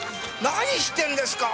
何してんですか？